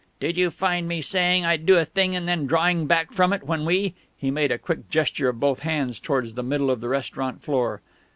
"Did you find me saying I'd do a thing and then drawing back from it when we " he made a quick gesture of both hands towards the middle of the restaurant floor.